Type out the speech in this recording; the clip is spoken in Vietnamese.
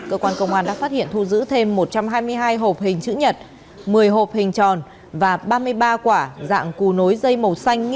cơ quan công an đã phát hiện thu giữ thêm một trăm hai mươi hai hộp hình chữ nhật một mươi hộp hình tròn và ba mươi ba quả dạng cù nối dây màu xanh nghi